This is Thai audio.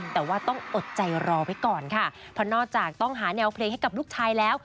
แต่ว่าต้องอดใจรอไว้ก่อนค่ะเพราะนอกจากต้องหาแนวเพลงให้กับลูกชายแล้ว